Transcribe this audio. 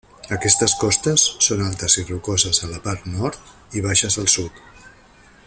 Aquestes costes són altes i rocoses a la part nord i baixes al sud.